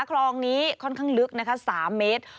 คลองนี้ค่อนข้างลึกนะคะ๓เมตร